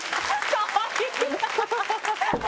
かわいいな！